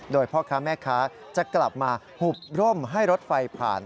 โดยพ่อค้าแม่ค้าจะกลับมาหุบร่มให้รถไฟผ่าน